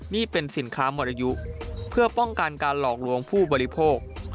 นี่เป็นสินค้ามรยุเพื่อป้องกันการหลอกลวงผู้บริโภค